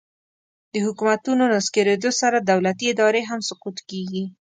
د حکومتونو نسکورېدو سره دولتي ادارې هم سقوط کیږي